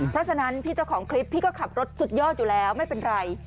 เพราะฉะนั้นพี่เจ้าของคลิปพี่ก็ขับรถสุดยอดอยู่แล้วไม่เป็นไร